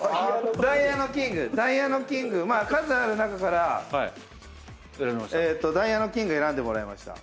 ダイヤのキングダイヤのキング数ある中からダイヤのキング選んでもらいました。